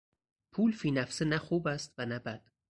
پول فینفسه نه خوب است و نه بد.